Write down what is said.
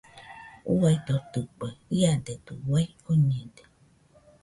Uaidotɨkue, iadedɨ uai oñede.